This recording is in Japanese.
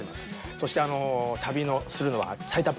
そして旅のするのは埼玉県の秩父。